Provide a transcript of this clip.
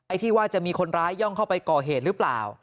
ที่ว่าจะมีคนร้ายย่องเข้าไปก่อเหตุหรือเปล่า